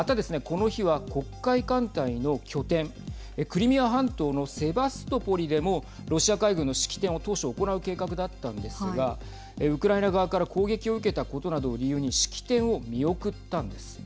この日は、黒海艦隊の拠点クリミア半島のセバストポリでもロシア海軍の式典を当初、行う計画だったんですがウクライナ側から攻撃を受けたことなどを理由に式典を見送ったんです。